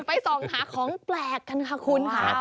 ไปส่องหาของแปลกค่ะคุณค่ะ